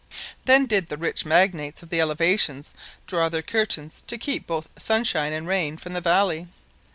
Then did the rich magnates of the elevations draw their curtains to keep both sunshine and rain from the valley.